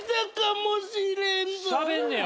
しゃべんねや。